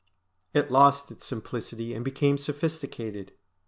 It lost its simplicity and became sophisticated.